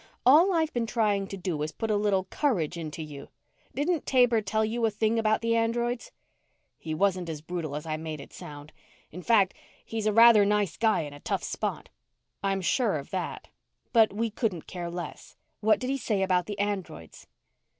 All I've been trying to do is put a little courage into you? Didn't Taber tell you a thing about the androids?" "He wasn't as brutal as I made it sound. In fact, he's a rather nice guy in a tough spot." "I'm sure of that, but we couldn't care less. What did he say about the androids?"